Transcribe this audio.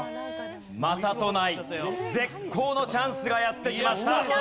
またとない絶好のチャンスがやってきました。